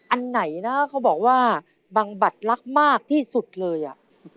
อันไหนนะเขาบอกว่าบังบัดรักมากที่สุดเลยอ่ะ